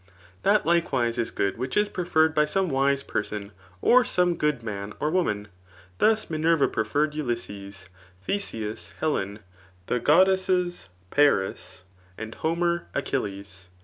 That likewise is good which is preferred by some wiae person, or some good man or woman. Thus Minerva pn^erred Ulysses, Theseus Helen, the goddesses Paria^ and Homer Achilles.